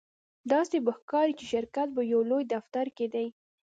داسې به ښکاري چې شرکت په یو لوی دفتر کې دی